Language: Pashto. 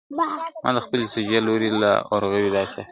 ما د خپلي سجدې لوری له اورغوي دی اخیستی ..